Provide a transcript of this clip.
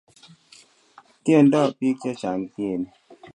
Tiendos bik chechang tieni